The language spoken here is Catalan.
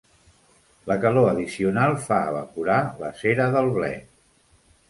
La calor addicional fa evaporar la cera del ble.